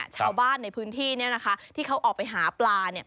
ชาวบ้านในพื้นที่ที่เขาออกไปหาปลา